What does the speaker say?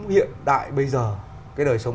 hiện đại bây giờ cái đời sống